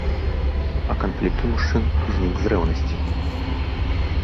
А канфлікт у мужчын узнік з рэўнасці.